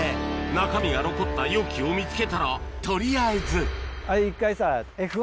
中身が残った容器を見つけたら取りあえず一回さ。